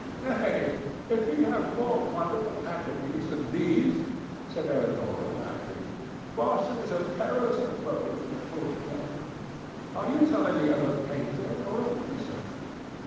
"Nay, if he have more wonderful attributes than these," said Elinor, laughing, "Boston is a perilous abode for the poor gentleman. Are you telling me of a painter, or a wizard?"